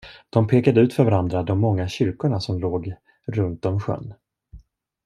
De pekade ut för varandra de många kyrkorna som låg runt om sjön.